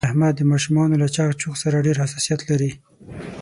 احمد د ماشومانو له چغ چوغ سره ډېر حساسیت لري.